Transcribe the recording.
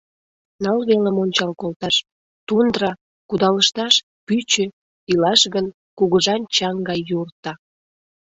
Ныл велым ончал колташ — тундра, кудалышташ — пӱчӧ, илаш гын, кугыжан чаҥ гай юрта.